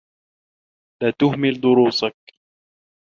لَا تُهْمِلْ دُرُوسَكَ.